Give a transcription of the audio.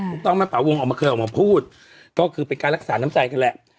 ถูกต้องไหมป่าวงออกมาเคยออกมาพูดก็คือเป็นการรักษาน้ำใจกันแหละ